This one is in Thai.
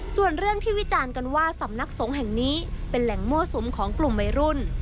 ส่วนเรื่องที่วิจารณ์กันว่าสำนักสงฆ์แห่งนี้เป็นแหล่งมั่วสุมของกลุ่มวัยรุ่น